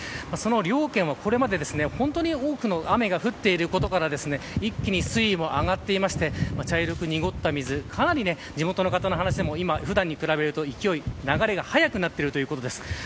両県は、これまで多くの雨が降っていることから一気に水位も上がっていて茶色く濁った水かなり地元の方の話でも普段に比べると勢い、流れが速くなってるということです。